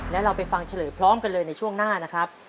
แล้วเราไปฟังเฉลยพร้อมกันเลยในช่วงหน้านะครับ